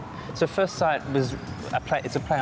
jadi first sight adalah permainan di hutan